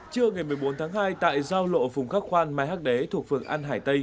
trưa ngày một mươi bốn tháng hai tại giao lộ phùng khắc khoan mai hắc đế thuộc phường an hải tây